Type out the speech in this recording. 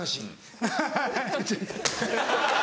アハハハ。